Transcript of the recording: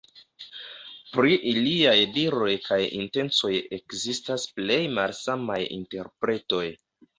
Pri iliaj diroj kaj intencoj ekzistas plej malsamaj interpretoj.